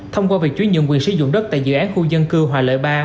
thông qua việc chú nhận quyền sử dụng đất tại dự án khu dân cư hòa lợi ba